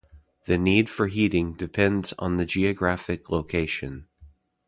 The need for heating depends on the geographic location.